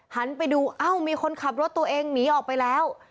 หันไปดูเอ้ามีคนขับรถตัวเองหนีออกไปแล้ว